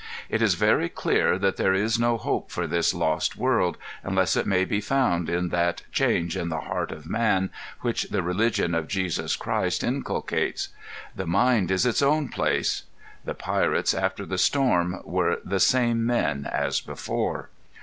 It is very clear that there is no hope for this lost world, unless it may be found in that change in the heart of man which the religion of Jesus Christ inculcates. "The mind is its own place." The pirates after the storm were the same men as before.